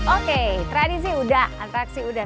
oke tradisi sudah atraksi sudah